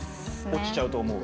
落ちちゃうと思う？